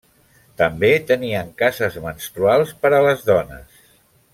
També tenien cases menstruals per a les dones.